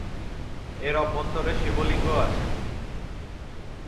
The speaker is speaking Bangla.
এর অভ্যন্তরের শিবলিঙ্গ আছে।